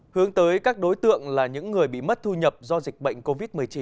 hướng tới các đối tượng là những người bị mất thu nhập do dịch bệnh covid một mươi chín